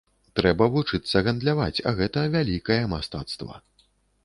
Трэба вучыцца гандляваць, а гэта вялікае мастацтва.